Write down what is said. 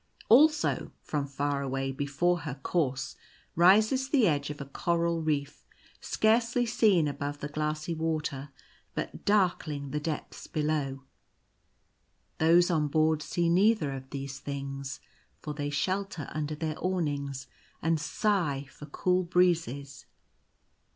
Also, from far away, before her course, rises the edge of a coral reef, scarcely seen above the glassy water, but darkling the depths below. Those on board see neither of these things, for they shelter under their awnings, and sigh for cool breezes.